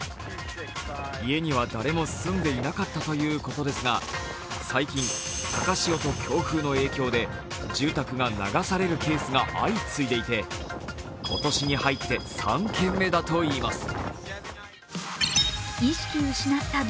家には誰も住んでいなかったということですが、最近、高潮と強風の影響で住宅が流されるケースが相次いでいて、今年に入って３軒目だといいます。